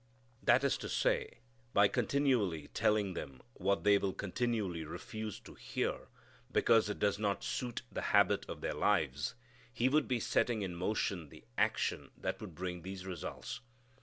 That is to say, by continually telling them what they will continually refuse to hear because it does not suit the habit of their lives, he would be setting in motion the action that would bring these results.